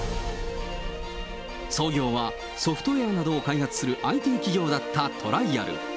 創業はソフトウエアなどを開発するＩＴ企業だったトライアル。